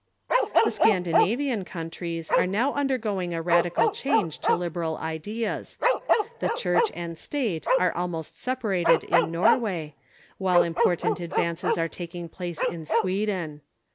The Scandinavian countries are now undergoing a radical change to liberal ideas. The Church and State are almost separated in Norway, while important advances are taking place in Sweden.